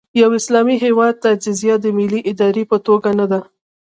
د یوه اسلامي هېواد تجزیه د ملي ارادې په توګه نه ده.